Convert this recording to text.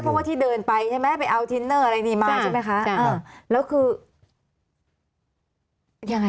เขาไม่ติดต่อแล้วเลย